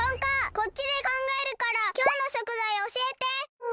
こっちでかんがえるからきょうの食材おしえて！